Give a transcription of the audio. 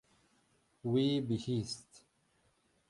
Wî bihîst.